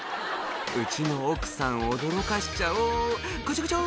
「うちの奥さん驚かせちゃおうこちょこちょ」